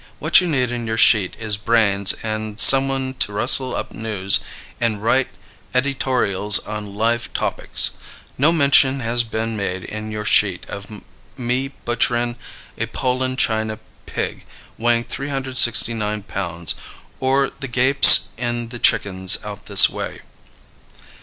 What you need in your shete is branes & some one to russel up news and rite edytorials on live topics. No menshun has bin made in your shete of me butcherin a polen china pig weighin 369 pounds or the gapes in the chickens out this way.